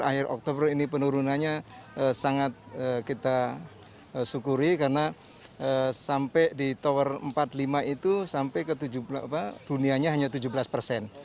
akhir oktober ini penurunannya sangat kita syukuri karena sampai di tower empat puluh lima itu sampai ke dunianya hanya tujuh belas persen